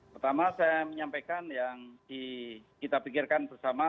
pertama saya menyampaikan yang kita pikirkan bersama